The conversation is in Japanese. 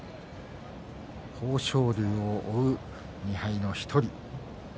豊昇龍を追う２敗の１人。